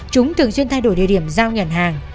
chúng thường xuyên thay đổi địa điểm giao nhận hàng